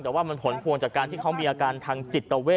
แต่ว่ามันหล่วงจากเขามีอาการทางจิตเวท